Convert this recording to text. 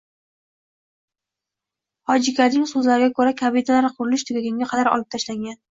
Xojikaning so'zlariga ko'ra, kabinalar qurilish tugagunga qadar olib tashlangan